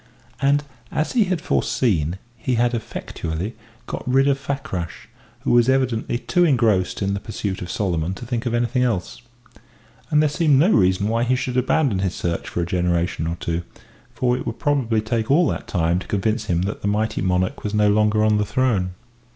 And, as he had foreseen, he had effectually got rid of Fakrash, who was evidently too engrossed in the pursuit of Solomon to think of anything else. And there seemed no reason why he should abandon his search for a generation or two, for it would probably take all that time to convince him that that mighty monarch was no longer on the throne.